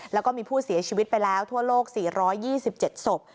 แล้วก็มีผู้เสียชีวิตไปแล้วทั่วโลก๔๒๗ศพ